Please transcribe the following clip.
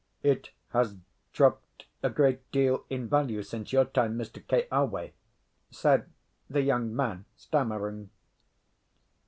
"It has dropped a great deal in value since your time, Mr. Keawe," said the young man stammering.